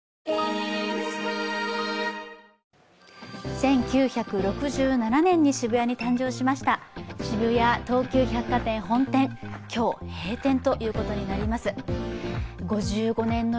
１９６７年に渋谷に誕生しました渋谷東急百貨店本店、今日閉店ということになります。